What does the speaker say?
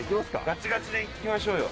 ガチガチで行きましょうよ。